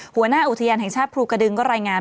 หัวหน้าอุทยานแห่งชาติภูกระดึงก็รายงาน